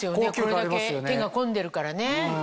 これだけ手が込んでるからね。